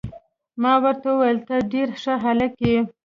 ما ورته وویل: ته ډیر ښه هلک يې.